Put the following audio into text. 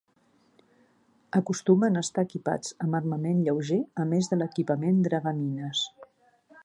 Acostumen a estar equipats amb armament lleuger a més de l'equipament dragamines.